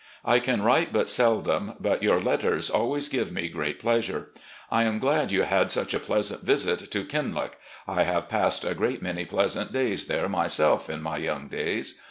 I can write but seldom, but yo\u: letters always give me great pleasure. I am glad you had such a pleasant visit to 'Kinloch.' I have passed a great many pleasant days there myself in my young days.